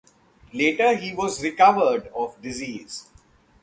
Later he was recovered of disease.